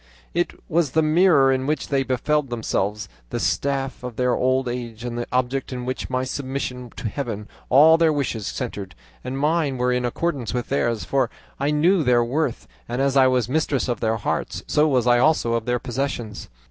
"I was the mirror in which they beheld themselves, the staff of their old age, and the object in which, with submission to Heaven, all their wishes centred, and mine were in accordance with theirs, for I knew their worth; and as I was mistress of their hearts, so was I also of their possessions.